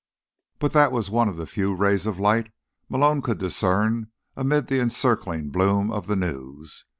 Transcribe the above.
But that was one of the few rays of light Malone could discern amid the encircling bloom of the news.